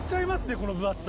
この分厚さ。